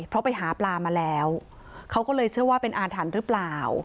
เพราะไปหาปลามาแล้วเขาก็เลยเชื่อว่าเป็นอาถรรพ์หรือเปล่า